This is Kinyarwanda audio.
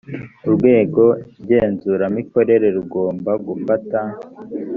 urwego ngenzuramikorere rugomba gufata